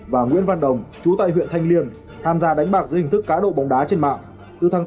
và nguyễn văn đồng chú tại huyện thanh liên tham gia đánh bạc dưới hình thức cá đậu bóng đá trên mạng